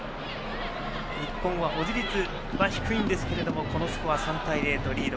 日本は保持率は低いんですがこのスコア３対０とリード。